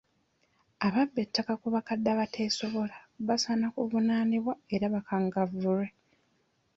Ababba ettaka ku bakadde abateesobola basaana kuvunaanibwa era bakangavvulwe.